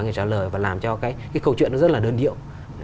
người trả lời và làm cho cái câu chuyện nó rất là đơn điệu